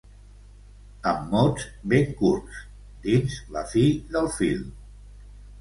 «Amb mots ben curts» dins La fi del fil.